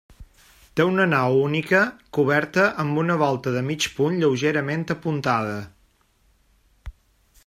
Té una nau única, coberta amb una volta de mig punt lleugerament apuntada.